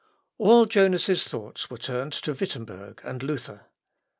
" All Jonas' thoughts were turned to Wittemberg and Luther.